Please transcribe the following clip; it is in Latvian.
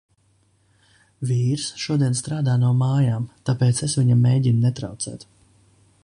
Vīrs šodien strādā no mājām, tāpēc es viņam mēģinu netraucēt.